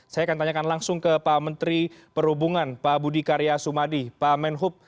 saya akan tanyakan langsung ke pak menteri perhubungan pak budi karya sumadi pak menhub